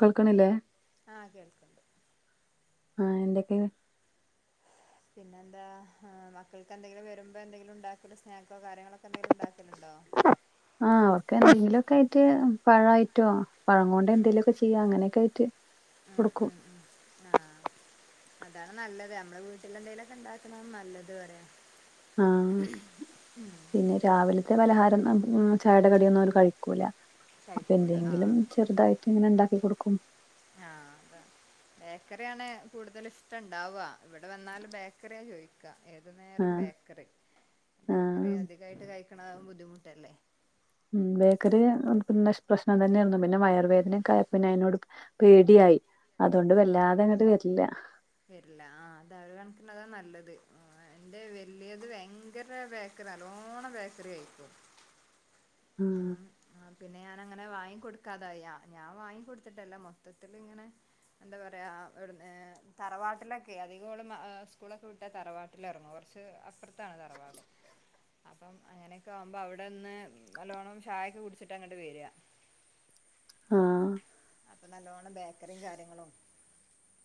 കേൾക്കണില്ലേ ആ കേൾക്കണ്ട് ആ എന്തൊക്കെയാ പിന്നെ എന്താ മക്കൾക്ക് എന്തെങ്കിലും വരുമ്പോ എന്തെങ്കിലും ഉണ്ടാക്കല് സ്നക്കോ കാര്യങ്ങളൊക്കെ എന്തെങ്കിലും ഉണ്ടാക്കലുണ്ടോ ആ ഒക്കെ എന്തെങ്കിലോക്കെ ആയിട്ട് പഴയിറ്റോ പഴം കൊണ്ട് ഉം എന്തേലുമൊക്കെ ചെയ്യാ അങ്ങനെയൊക്കെ ആയിട്ട് ഉം കൊടുക്കും ഉം ഉം ആഹ് അതാണ് നല്ലത് അമ്മളെ വീട്ടിലല്ലേലുമെന്തെലുമൊക്കെ ഉണ്ടാക്കണ നല്ലത് പറയാ ആ പിന്നെ രാവിലത്തെ പലഹാര ചായയുടെ കടിയൊന്നും അവര് കഴിക്കൂലാ അപ്പ കഴിക്കൂല എന്തെങ്കിലും ആഹ് ചെറുതായിട്ട് ഇങ്ങനെ ഇണ്ടാക്കി കൊടു ആ അത ബേക്കറിയാണ് കൂടുതൽ ഇഷ്ടണ്ടാവ്വാ ഇവിടെ വന്നാല് ബേക്കറിയാ ചോദിക്ക ഏതു ആ നേരം ബേക്കറി, ആ ബേക്കറി അധികായിട്ട് കഴിക്കണ ബുദ്ധിമുട്ടല്ലേ ഉം ബേക്കറി പിന്നെശ് പ്രശ്നം തന്നെയിരുന്നു പിന്നെ വയറ് വേദനയൊക്കെ ആയേ പിന്നെ അതിനോട് പേടിയ ആ ആ വരില്ല ആ അതാ ഒര് കണക്കിനതാ നല്ലത് ആ എന്റെ വലിയത് ഭയങ്കര ബേക്കറി നല്ലവോണം ബേക്കറി കയിക്കും ഉം അങ്ങനെ വാങ്ങി കൊടുക്കാതായീ ആ ഞാൻ വാങ്ങി കൊടുത്തിട്ടല്ല മൊത്തത്തിലിങ്ങനെ എന്താ പറയാ എവിടന്ന് തറവാട്ടിലൊക്കെ അധികോള് മാ സ്കൂളൊക്കെ വിട്ടാ തറവാട്ടിലെറങ്ങു ച്ച് അപ്രത്താണ് തറവാട് അപ്പം അങ്ങനെയൊക്കെ ആകുമ്പോ അവിടെന്ന് നല്ലോണ്ണം ചയൊക്കെ കുടിച്ചിട്ട അങ്ങ്ട്ട് വര്യാ ആ അപ്പൊ നല്ലവണം ബേക്കറിയും കാര്യങ്ങളും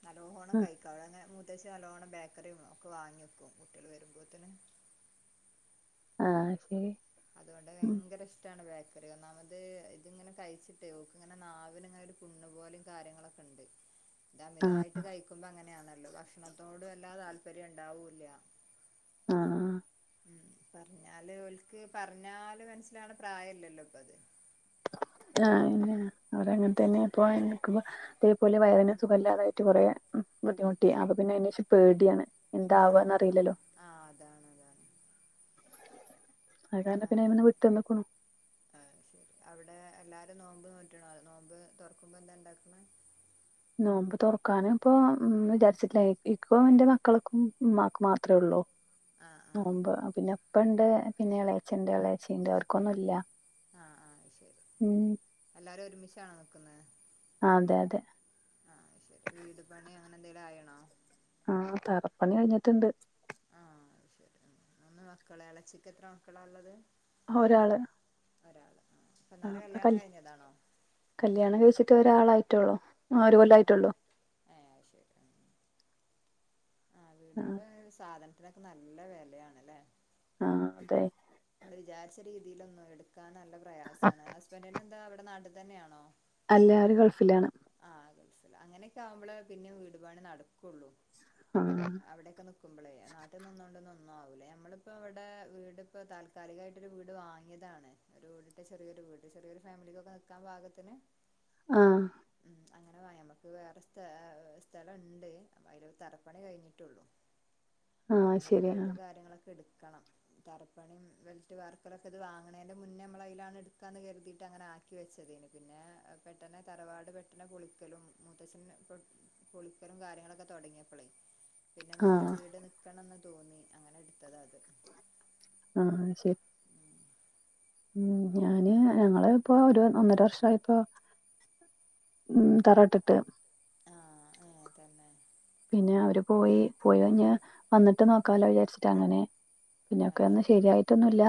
നല്ലോണം ആ കൈയിക്കും അതന്നെ മൂത്തചേ നല്ലോണം ബേക്കറിയും ഒക്കെ വാങ്ങി വെക്കും കുട്ടികള് വരുമ്പോത്തിന് ആ ശരി അതുകൊണ്ട് ഉം, ഭയങ്കര ഇഷ്ടമാണ് ബാഗ് ഒന്നാമത് ഇതിങ്ങനെ കഴിച്ചിട്ട് ഓൾക്ക് ഇങ്ങനെ നാവിന് ഇങ്ങനെ ഒരു പുണ്ണ് പോലെ കാര്യങ്ങളൊക്കെ ഉണ്ട് ഇത് ആ അമിതായിട്ട് കഴിക്കുമ്പോ അങ്ങനെയാണല്ലോ ഭക്ഷണത്തോട് വല്ലാതെ താല്പര്യം ഉണ്ടാവൂല്ലാ ആഹ് ആഹ് ഉം പറഞ്ഞാല് ഓൽക്ക് പറഞ്ഞാല് മനസ്സിലാവണ പ്രായല്ലല്ലോ ഇപ്പത് ആ അതെന്ന അത് അങ്ങനെ തന്നെ ഇപ്പ എനിക്ക് ഇതേപോലെ വയറിന് സുഖമില്ലാതായിട്ട് കൊറേ ബുദ്ധിമുട്ടി അപ്പൊ പിന്നെ അതിന് ശേഷം പേടിയാണ് എന്താവും എന്ന് ആഹ് അറിയില്ലല്ലോ ആഹ് അതാണ് അതാണ് അത് കാരണം പിന്നെ ആഹ് അതീന്ന് വിട്ടുനിന്ന്ക്ക്ണു ആഹ് ശരി അവിടെ എല്ലാരും നോമ്പ് നോറ്റണ നോമ്പ് തുറക്കുമ്പോ എന്താ ഇണ്ടാക്കണ് നോമ്പ് തുറക്കാനും ഇപ്പൊ വിചാരിച്ചിട്ടില്ല ഇക്കും എന്റെ മക്കൾക്കും ഉമ്മാക്കും മാത്രമേ ഉള്ളൂ ആഹ് ആഹ് നോമ്പ് പിന്നെ ഇപ്പ ഉണ്ട് പിന്നെ എളയച്ഛൻണ്ട് ഇളയച്ചിണ്ട് അവർക്കൊന്നും ഇല്ല ആഹ് ആഹ് ശരി എല്ലാരും ഒരുമിച്ചാണോ നിക്കുന്നെ അതെ അതെ ആഹ് ശരി വീട് പണി അങ്ങനെ എന്തേലും ആയേണോ ആ തറപ്പണി കഴിഞ്ഞിട്ടുണ്ട് ആ അത് ശരി മൂന്ന് മക്കള് ഇളച്ചിക്ക് എത്ര മക്കളാ ഉള്ളത് ആ ഒരാള് ഒരാള് ഇപ്പ ആഹ് ഇന്നാരെ അപ്പൊ കല്യാണം കല് കഴിഞ്ഞതാണോ കല്യാണം കഴിച്ചിട്ട് ഒരാളായിട്ടോള്ളോ ആഹ് ഒരു കൊല്ലം ആയിട്ടോള്ളൂ ഏഹ് അത് ആ വീടിപ്പോ സാധനത്തിനൊക്കെ നല്ല വിലയാണല്ലേ ആഹ് അതെ നമ്മള് വിചാരിച്ച രീതിയിലൊന്നും എടുക്കാൻ നല്ല പ്രയാസമാണ് ഹസ്ബൻറിനെന്താ ഇവിടെ നാട്ടിൽ തന്നെയാണോ? അല്ല അവരു ഗൾഫിലാണ് ആഹ് ഗൾഫിലാ അങ്ങനൊക്കെ ആവുമ്പള് പിന്നെ വീടുപണി നടക്കൊള്ളു ആഹ് നാട്ട് നിന്നോണ്ടൊന്നു ഒന്നും ആവൂല. നമ്മള്പ്പോ ഇവടെ വീട് ഇപ്പൊ താൽക്കാലികായിട്ടൊരു വീട് വാങ്ങിയതാണ് ഒരോടിട്ട ചെറിയൊരു വീട് ചെറിയൊരു ഫേമിലിക്കൊക്കെ നിക്കാൻ പാകത്ത്ന് ആഹ് നമ്മക്ക് വേറെ സ്ഥ [unintelligible] സ്ഥലണ്ട് അപ്പയ്ല് തറപ്പണി കഴിഞ്ഞിട്ടുള്ളു ആഹ് ഇഞ് ശരി. ആഹ് വീടും കാര്യങ്ങളൊക്കെ ഇട്ക്ക- ക്കണം തറപ്പണിം വെൽറ്റ് വാർക്കലൊക്കെ ഇത് വാങ്ങ്ണേന്റെ മുന്നമ്മളയിലാണ് ഇടുക്കാന്ന് കരുതിയിട്ട് അങ്ങനെ ആക്കി വെച്ചതേനി പിന്നെ പെട്ടന്ന് തറവാട് പ പിന്നെ പൊളിക്കലും മുത്തച്ഛന്ന് പൊളിക്കലും കാര്യങ്ങളൊക്കെ തൊടങ്ങ്യേപ്പളേ പിന്നെ നമക്കൊരു ആഹ് വീട് നിക്കണംന്ന് തോന്നി അങ്ങനെ ഇടുത്തത ഇത് ആഹ് ശെര് ഉം ഞാന് ഞങ്ങള് ഇപ്പോ ഒരു ഒന്നര വർഷയിപ്പോ ഉം തറ ഇട്ട്ട്ട് ആഹ് ഏഹ് തന്നെ പിന്നെ അവര് പോയി. പോയി കഴിഞ്ഞ് വന്നിട്ട് നോക്കാലോ വിചാ [unintelligible] ച്ചിട്ട് അങ്ങനെ പിന്ന അത് ഒക്കെ ഒന്ന് ശരി ശരിയായിട്ടൊന്നുല്ല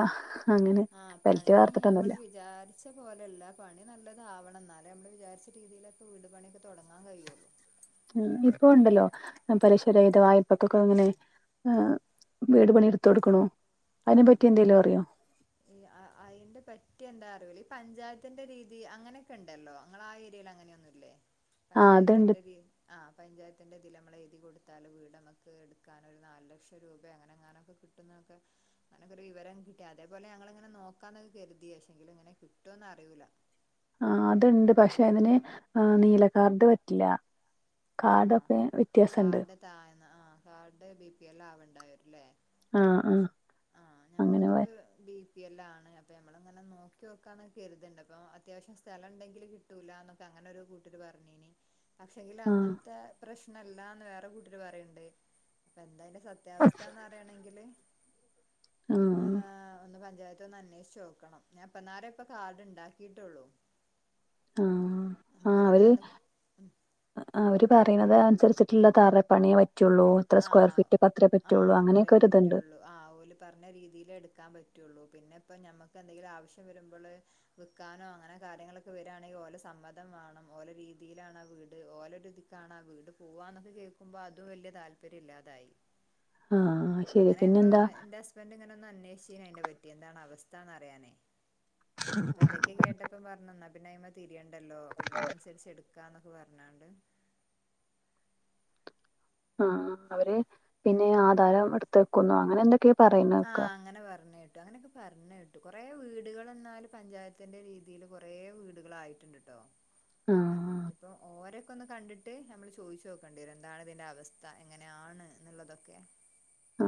അങ്ങനെ ആഹ് ബെൽറ്റ് പണി നമ്മൾ വാർത്ത്ട്ടൊന്നുല്ല വിചാരിച്ച പോലെയല്ല പണി നല്ലതാവണം ഇന്നാലേ അമ്മള് വിചാരിച്ച രീതിയിലെക്കെ വീട് പണിയൊക്കെ തൊടങ്ങാൻ കഴിയൊള്ളു ഉം ഇപ്പോ ഉണ്ടല്ലോ പലിശരഹിത വായ്പക്കൊക്കെ അങ്ങനെ ആഹ് വീട് പണി ഇടുത്ത് കൊടുക്ക്ണോ ആഹ് അയിന്റെ പറ്റി എന്താ റ്യാേളി പഞ്ചായത്തിന്റെ രീതി അങ്ങനെക്കെ ഇണ്ടല്ലോ അങ്ങളാ ഏരിയയിൽ അങ്ങനെയൊന്നുല്ലേ ആഹ് അത്ണ്ട് പഞ്ചായത്തിന്റെ കീ ആഹ് പഞ്ചായത്തിന്റെ അതില് നമളെ എ എഴുതി കൊടുത്താല് വീട് അമക്ക് ഇടുക്കാന് ഒരു നാല് ലക്ഷം രൂപ അങ്ങനെ എങ്ങാനൊക്കെ കിട്ടുന്നൊക്കെ അനക്കൊരു വിവരം കിട്ടി അതേപലെ ഞങ്ങളിങ്ങനെ നോക്കാന്നൊക്കെ കെരുതി പക്ഷേ എങ്കിലും ഇങ്ങനെ കിട്ടോന്ന് അറിയൂല ആഹ് അത്ണ്ട് പക്ഷെ അതിന് നീലക്കാർഡ് പറ്റില്ല. ആ കാഡൊക്കെ വ്യത്യാസുണ്ട് കാാർഡ് ബി പി എൽ ആവണ്ടായിരല്ലേ ആ ആ അങ്ങനെ വ ആ അപ്പ നമ്മൾങ്ങനെ നോക്കി ക്കാന്നൊക്ക കരുതണ്ട് അപ്പൊ അത്യാവശ്യം സ്ലുണ്ടെങ്കിൽ കിട്ടൂല എന്നൊക്കെ അങ്ങനെ കൂട്ട പറഞ്ഞീക്ഷ ആഹ് അങ്ങനത്തെ പ്രശ്നം അല്ലാന്ന് വേറെ കൂട്ടര് പറയണുണ്ട് അപ്പ എന്താ അതിന്റെ സത്യാവസ്ഥ എന്ന് അറിയണെങ്കില് ആ പഞ്ചായത്തിൽ ഒന്ന് അന്വേഷിച്ച് നോക്കണം ഞാൻ ഇപ്പ നേര ഇപ്പ കാർഡ് ഉണ്ടാക്കിട്ടുള്ളൂ ആ ആ ആ അവര് നി ആ അവര് പറയുന്നത് അനുസരിച്ചിട്ടുള്ള [unintelligible] ഇത്ര ആ സ്ക്വയർ ഫീറ്റ് അത്രേ ആ പറ്റുള്ളൂ അത്രേ അങ്ങനെയൊക്കെ ഒരിതുണ്ട് പറ്റുള്ളൂ ആ ഓല് പറഞ്ഞ രീതിലെ എടുക്കാൻ പറ്റുള്ളൂ പിന്നെ ഇപ്പ നമ്മുക്ക് എന്തെങ്കിലും ആവശ്യം വരുമ്പള് വിൽക്കാനോ അങ്ങനെ കാര്യങ്ങളൊക്കെ വരുവാണെങ്കിൽ ഓല് സമ്മതം വേണം ഓല് രീതിയിലാണ് ആ വീട് ഓല് ഒരിതിക്കാണ് ആ വീട് പോവാനൊക്കെ കേൾക്കുമ്പോൾ അത് വലിയ താല്പ ര്യം ഇല്ലാതായി ആ ശരി അങ്ങനെ ഞങ്ങള് പിന്നെന്താ എന്റെ ഹസ്ബൻഡ് ഇങ്ങനെ [unintelligible] പറ്റി എന്താണ് അവസ്ഥ എന്നറിയാനേ അപ്പൊ ഇതൊക്കെ കേട്ടപ്പോ പറഞ്ഞെന്ന് പിന്നെ അതിന്മേൽ തിരിയണ്ടല്ലോ കിട്ടുന്നതിന് അനുസരിച്ച് എടുക്കാന്നൊക്കെ പറഞ്ഞാണ്ട് ആ അവര് പിന്നെ ആധാരം എടുത്ത് വക്കുന്നു അങ്ങനെ എന്തൊക്കെയോ ആ അങ്ങനെ പറഞ്ഞ കേട്ടു അങ്ങനെയൊക്കെ പറഞ്ഞ കേട്ടു കൊറേ വീടുകൾ എന്നാല് പഞ്ചായത്തിന്റെ രീതിയിയില് കൊറേ വീടുകള് ആയിട്ടുണ്ട് കേട്ടോ ആ ആഹ് ഇനിയിപ്പോ ഓരൊക്കെ ഒന്ന് കണ്ടി ട്ട് നമ്മള് ചോദിച്ചു നോക്കണുണ്ട് എന്താണ് ഇതിന്റെ അവസ്ഥ എങ്ങനെയാണ് എന്നുള്ളതൊക്കെ ആ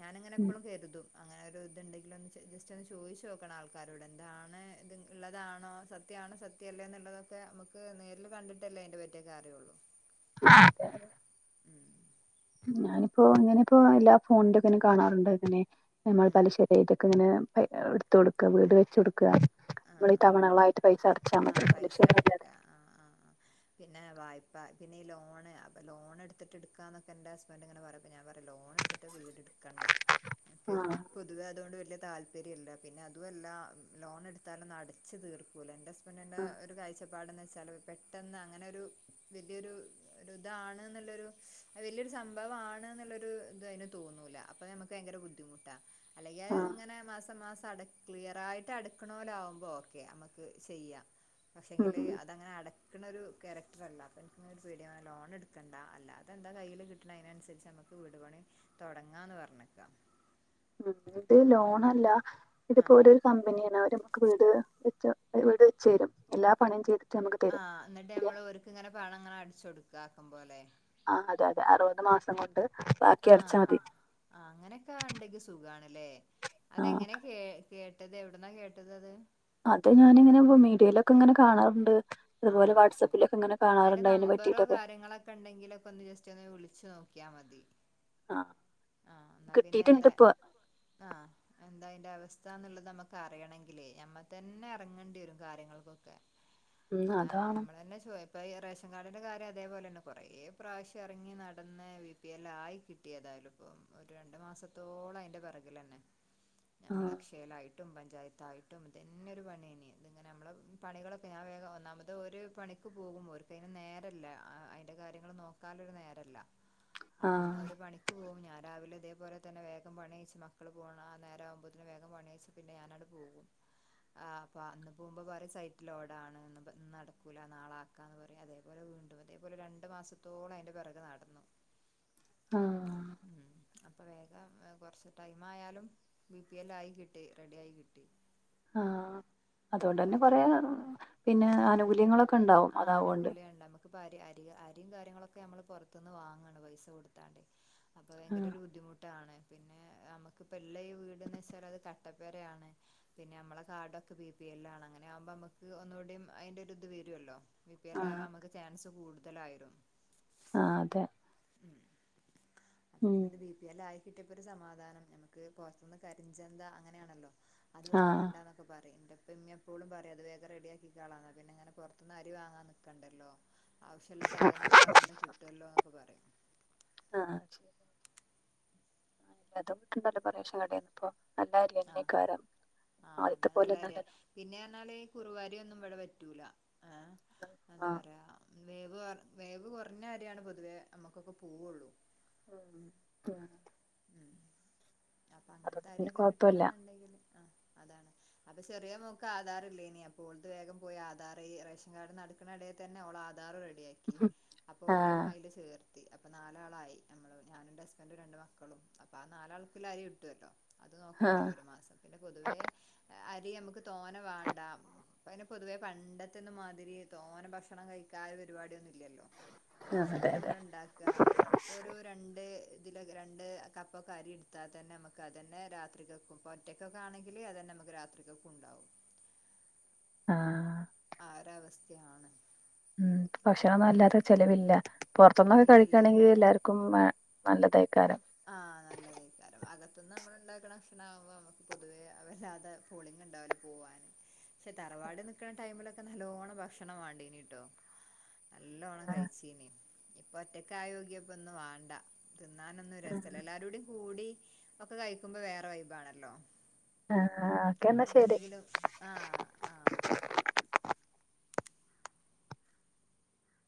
ഞാനിങ്ങനെ എപ്പളും കരുതും അങ്ങനെ ഒരു ഇത് ഇണ്ടെങ്കില് ഒന്ന് ജസ്റ്റ് ഒന്ന് ചോദിച്ചു നോക്കണം ആൾക്കാരോട് എന്താണ് ഇത് ഉള്ളതാണോ സത്യമാണോ സത്യ മല്ലേ എന്നുള്ളതൊക്കെ നമുക്ക് നേരിൽ കണ്ടിട്ടല്ലേ അതിന്റെ പറ്റിയൊക്കെ അറിയൂള്ളൂ ആ അതേ അതേ ഞാനിപ്പോ ഇങ്ങനെ ഇപ്പോ എല്ലാ ഫോണിന്റെ [unintelligible] കാണാറുണ്ട് ഇങ്ങനെ നമ്മൾ ഉം പലിശ്ശ ഇതൊക്കെ ഇങ്ങനെ പ എടുത്ത് കൊടുക്കുക വീട് വെച്ച് കൊടുക്കുക ആ നമ്മളീ ആ തവണകളായിട്ട് പൈസ അടച്ചാൽ ആ മതി പലിശ പൈസ ഇല്ലാതെ അടക്കുക ആ ആ ആ പിന്നെ വായ്പ പിന്നെ ഈ ലോണ് അപ്പോ ലോണ് എടുത്തിട്ട് എടുക്കാന്നൊക്കെ എന്റെ ഹുസ്ബൻഡ് ഇങ്ങനെ പറയുമ്പോ ഞാൻ പറയും ലോൺ എടുത്തിട്ട് വീട് എടുക്കണ്ട നമുക്ക് ആഹ് പുതുതായത് കൊണ്ട് വല്ല്യ താല്പര്യമില്ല പിന്നെ അതുവല്ല ലോൺ എടു ത്താലൊന്നും അടച്ച് തീർക്കൂല എന്റെ ഹുസ്ബൻഡിന്റെ ആഹ് ഒരു കാഴചപ്പാടെന്ന് വെ ചിലവ് പെട്ടെന്ന് അങ്ങനൊരു വലിയൊരു ഒരു ഇതാണ് എന്നുള്ളൊരു വലിയൊരു സംഭവം അപ്പോ ആണ് എന്നൊള്ളൊരു ഇത് അതിന് തോന്നൂല അപ്പൊ നമുക്ക് ഭയങ്കര ബുദ്ധിമുട്ടാ അല്ലെങ്കിൽ ആഹ് ഇങ്ങനെ മാസം മാസം അട ക്ലിയറായിട്ട് അട ക്കണ പോലെ ആകുമ്പോ ഓക്കെയാ നമുക്ക് ചെയ്യാം പക്ഷെങ്കില് ഉം അതങ്ങനെ അടക്കണൊരു ക്യാരക്ടറല്ല അപ്പൊ എനിക്ക് ഇനിയൊരു പേടിയാണ് ലോൺ എടുക്കണ്ട അല്ലാതെന്താ കയ്യില് കിട്ടണെ അതിനുരിച്ച് നമുക്ക് വീട് പണി തൊടങ്ങാന്ന് പറഞ്ഞേക്കാം ഉം ഇത് ലോണല്ല ആ ഇതിപ്പോ ഒരു കമ്പനിയാണ് അവര് വീട് വെച്ച് വീട് വെച്ച് തരും എല്ലാ പണിയും ചെയ്തു ആ എന്നിട്ട് നമ്മള് ഓർക്ക് ഇങ്ങനെ പണം ഇങ്ങനെ അടിച്ച് കൊടുക്കുക ആക്കം പോലെ ആ അതെ അതെ അറുപത് മാസം കൊണ്ട് ബാക്കി ആ അടച്ചാൽ മതി ആ അങ്ങനെയൊക്കെ ഉണ്ടങ്കിൽ സുഖം ആണല്ലേ ആ അതെങ്ങനെയാ കേ കേട്ടത് എവിടന്നാ കേട്ടത് അത് അത് ഞാനിങ്ങനെ മീഡിയയിലൊക്കെ ഇങ്ങനെ കാണാറുണ്ട് ആ അതുപോലെ അത് ശെരി വാട്സആപ്പിലൊക്കെ ഇങ്ങനെ അതില് കാണാറുണ്ട് അതിനെ നമ്പറോ പറ്റിട്ടൊക്കെ കാര്യങ്ങളോക്കെ ഉണ്ടെങ്കിലൊക്കെ ഒന്ന് ജസ്റ്റ് ഒന്ന് വിളി ച്ച് നോക്കിയാൽ മതി ആ ആ എന്നാ പിന്നെ കിട്ടിയിട്ടുണ്ട് എന്താ ഇപ്പൊ ആ എ ന്താ അവസ്ഥാന്നുള്ളത് നമുക്ക് അറിയണെങ്കിലേ ഞമ്മൾ തന്നെ ഇറങ്ങേണ്ടി വരും കാര്യങ്ങൾക്കൊക്കെ ഉം അതാണ് ഇപ്പോ ഈ ഈ റേഷൻ കാർഡിൻ്റെ കാര്യം അതേപോലെ തന്നെ കുറേ പ്രാവശ്യം ഇറങ്ങി നടന്ന് ബി പി എൽ ആയി കിട്ടിയത് യാലും ഇപ്പം ഒരു രണ്ടു മാസത്തോളം അതിന്റെ പിറകിൽ തന്നെ ആ ഞമ്മൾ അക്ഷയലായി ട്ടും പഞ്ചായത്തായിട്ടും ഇതന്നെ ഒരു പണി തന്നെയാ ഇതിങ്ങനെ നമ്മള് പണികളൊക്കെ ഞാൻ വേഗം ഒന്നാമ അത് ഒരു പണിക്ക് പോകുമ്പോൾ ഓർക്ക് അതിന് നേരല്ല അതിൻ്റെ കാര്യങ്ങൾ നോക്കല്ലോരു നേരല്ല ആ അപ്പൊ പിന്നെ ഒരു പണിക്ക് പോകും ഞ ഞാൻ രാവിലെ ഇതേപോലെ തന്നെേ വേഗം പണിയിച്ചച്ച് മക്കള് പോണ ആ നേര ആവുമ്പോത്ത്ന് വേഗം പണിയിച്പ്പി ച്ച് പിന്നെ ഞാന അവിടെ പോകും ആ അപ്പൊ അന്ന് പോകുമ്പോറെ സൈറ്റ് ലോഡാണ് ന്ന് നടക്കൂല നാളാക്കാന്ന് പറയും അതേപോലെ വീണ്ടും അതേപോലെ രണ്ടു മാസത്തോളം അതിന്റെ പിറക നടന്നു ഉം ആഹ അപ്പൊ വേഗം കൊറച്ച ടൈം ആയാലും ബി പി എൽ ആയി കിട്ടി റെഡി ആയി കിട്ടി ആ അതുകൊണ്ട് നമുക്ക് തന്നെ അരി കൊറയാ പിന്നെ ആനുകൂല്യങ്ങളൊക്കെ ഒക്ക ഉണ്ടാവും അതാവോണ്ട് അ അരി അരിയും കാര്യങ്ങളൊക്കെ നമ്മൾ പുറത്തനിന്ന് വാങ്ങണം പൈസ കൊടുത്താണ്ട് അപ്പൊ ആ ഭയങ്കര ഒരു ബുദ്ധിമുട്ടാണ് പിന്നെ [inaudible] നമുക്കിപ്പ എല്ലാ ഈ വീട്ന്ന് വെച്ചാൽ അത് കട്ടപ്പരയാണ് പിന്നെ നമ്മളെ കാർഡൊക്കെ ബി പി എല്ല ആണ് അങ്ങനെ മ്പമ്മക്ക് ഒന്നൂടി അതിന്റെ ഒരു ഇത് ല്ലോ ബി പി ആ എല്ല് ആവാൻ നമുക്ക് ചാൻസ് കൂടുതലായിരുന്നു ആ അതെ അത് പിന്നെ ഉം ഇത് ബി പി എല്ല് ആയി കിട്ടിയപ്പോ ഒരു സമാധാനം നമുക്ക് പുറത്തുനിന്ന് കരിഞ്ചന്ത അങ്ങനെയാണല്ലോ അത് ആ വാങ്ങണ്ടാന്നൊക്കെ പറയുംന്റെ ഇപ്പം ഇമ്മീമം എപ്പോഴും പറയും അത് വേഗം റെഡിയാക്കി കാളന്ന പിന്നെ ഇങ്ങനെറ പത്തന്ന് അരി വാങ്ങാൻ നിക്കണ്ടല്ലോ ആവശ്യമുള്ള സാധനങ്ങളൾ അവിടുന്ന് കിട്ടുല്ലോ എന്നൊക്കെ പറയായും ആഹ ശരി [unintelligible] ആഹ് കാരം ആഹ് അതെ നല്ലാ കാര്യ പിന്നെ പറഞ്ഞാല് കുറുവാരിയൊന്നും ഇവിടെ പറ്റൂല ആഹ അന്ത ആഹ് പറയാ വേവ് വേവ് കുറഞ്ഞ അരിയാണ് പൊതുവേ നമ്മുക്കൊക്കെ പോവുള്ളൂ ഉ ആഹ ഉം അപ്പൊ അങ്ങനത്തെ പിന്നെ അര്യൊക്കെ കൊഴപ്പല്ല കിട്ടണംന്നുണ്ടെങ്കില് ആ അതാണ് [inaudible] അപ്പൊ ചെറിയ മോക്ക് ആധാർ ഇല്ല ഇനി അപ്പോ ഓളത് വേഗം പോയി ആധാർ റേഷൻ കാർഡ് നടക്കണ ഇടയിൽ തന്നെ അവള് ആധാറ അപ്പൊ ഓളീം ആഹ് അതിൽ ചേർത്തി അപ്പൊ നാലാളായി ഞമ്മ ഞാനന്റെ ഹസ്ബന്റും ഇന്റ രണ്ട് മക്കളും അപ്പൊ ആ നാലാൾക്കല്ലാരി കിട്ടുവല്ലോ അത് നോക്കണ്ടല്ലോ ഒരു മാസം പിന്നെ പൊതുവേ അരി നമുക്ക് തോന വേണ്ട പിന്നെ പൊതുവേ പണ്ടത്തന്ന് മാതിരി തോന ഭക്ഷണം കഴിക്ക ചായ പരിപാടി ഒന്നും ല്ലോ ആഹ് അതെ ആവശ്യത്തിന് അതെ നമ്മൾ ഉണ്ടാക്ക നമ്മളിപ്പോ ഒരു രണ്ട് ഇതില ണ്ട് കപ്പൊക്കെ അരി എടുത്താൽ തന്നെ നമുക്ക് അതന്നേ രാത്രിക്കും ഒറ്റയ്ക്കൊക്കെ ആണെങ്കിൽ അതനെ നമുക്ക് രാത്രിക്കക്കും ഉണ്ടാവും ആഹ ആ ഒരവസ്ഥയാണ് ഉം അപ്പൊ ഭക്ഷണൊന്നും പിന്നെ അല്ലാത്തെ ചെലവില്ല പൊറത്തന്നൊക്കെ ഇല്ലല്ല കഴിക്കയാണെങ്കിൽ എല്ലാർക്കും നല്ലതായി ആഹ നല്ലതാക്കാരം മത്തന്ന് നമ്മൾ ഉണ്ടാക്കണ ഭക്ഷണ ആകുമ്പോ നമുക്ക് പൊതുവേ വല്ലാതെ പോളിംഗ ഉണ്ടാവലോ പോവവാന് പക്ഷെ തറവാട് നിക്കണ ടൈമിലൊക്കെ നല്ലോണം ഭക്ഷണം വേണ്ടീനിട്ടോ നല്ലോണം ആഹ് കഴിച്ചീനീ ഇപ്പൊ ഒറ്റക്ക ആയോഗ്യപ്പൊ ഒന്നും വേണ്ട തിന്ന എല്ലാരോടെടയും കൂടി ഒക്കെ കഴിക്കുമ്പോ വേറെ വൈബാണല്ലോ ആഹ് ഓക്കെ എന്നാ ഇപ്പ ശരി എന്തെങ്കിലും ആഹ ആ